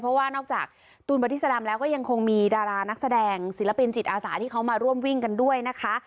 เพราะว่านอกจากตูนบอดี้สลัมแล้วก็ยังคงมีดารานักแสดงศิลปินจิตอาสาที่เขามาร่วมวิ่งกันด้วยนะคะ